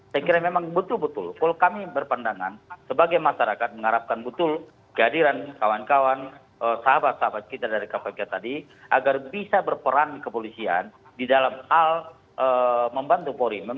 saya kira memang betul betul kalau kami berpandangan sebagai masyarakat mengharapkan betul kehadiran kawan kawan sahabat sahabat kita dari kpk tadi agar bisa berperan kepolisian di dalam hal membantu polri